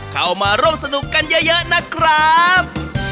เข้ามาร่วมสนุกกันเยอะนะครับ